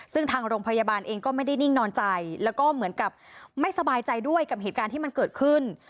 ซึ่งทางโรงพยาบาลเองก็ไม่ได้นิ่งนอนใจแล้วก็เหมือนกับไม่สบายใจด้วยกับเหตุการณ์ที่มันเกิดขึ้น